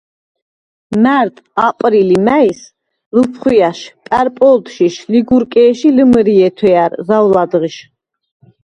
მა̈რტ, აპრილ ი მა̈ის – ლუფხუ̂ჲა̈შ, პა̈რპო̄ლდშიშ, ლიგურკე̄შ ი ლიმჷრჲე̄ თუ̂ეჲა̈რ – ზაუ̂ლა̈დღიშ,